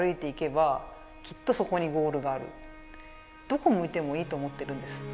どこ向いてもいいと思ってるんです。